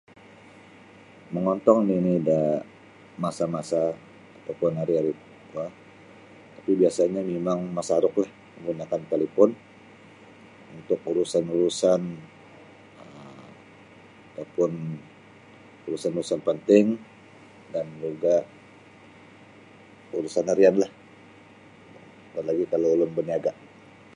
Mangontong nini da masa-masa ataupun hari hari kuo tapi biasanya mimang masaruklah menggunakan talipun untuk urusan-urusan um ataupun urusan-urasan penting dan juga urusan harianlah apa lagi kalau ulun baniaga.